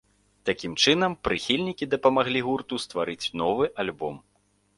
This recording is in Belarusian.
Такім чынам прыхільнікі дапамаглі гурту стварыць новы альбом.